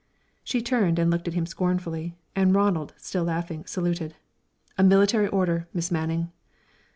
She turned and looked at him scornfully, and Ronald, still laughing, saluted. "A military order, Miss Manning."